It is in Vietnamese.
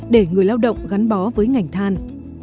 để người lao động gắn bó với ngành than